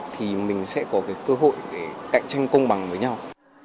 thì mình sẽ có cái cơ hội để cạnh tranh công bằng với nhau